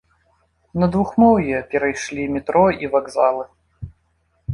На двухмоўе перайшлі метро і вакзалы.